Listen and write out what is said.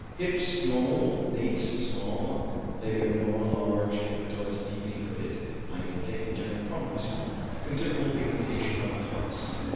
Hips, normal; nates, small; labia minora, large; and clitoris, deeply hooded. Hymen thick, vagina, probably small. Considerable pigmentation of parts.